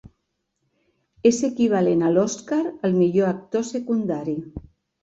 És equivalent a l'Oscar al millor actor secundari.